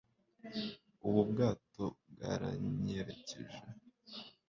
ubwo bwato bwaranyerekeje